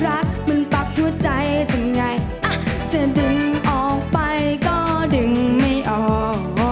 รักมึงปักหัวใจทำไงจะดึงออกไปก็ดึงไม่ออก